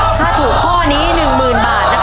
ถ้าถูกข้อนี้หนึ่งหมื่นบาทนะครับ